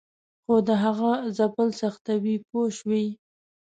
خو د هغه ځپل سختوي پوه شوې!.